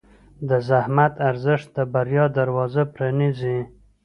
د زحمت ارزښت د بریا دروازه پرانیزي.